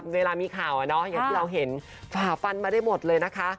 เวลามีข่าวอย่างที่เราเห็นฝ่าฟันมาได้หมดเลยนะคะ